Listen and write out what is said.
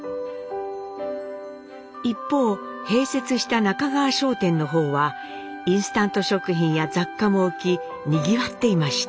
一方併設した中川商店の方はインスタント食品や雑貨も置きにぎわっていました。